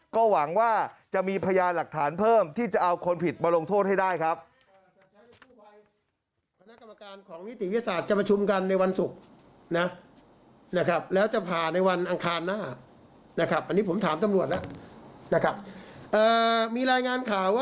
ก็หวังว่าจะมีพยานหลักฐานเพิ่มที่จะเอาคนผิดมาลงโทษให้ได้ครับ